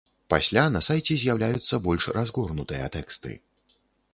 Пасля на сайце з'яўляюцца больш разгорнутыя тэксты.